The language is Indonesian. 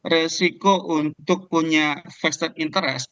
resiko untuk punya vested interest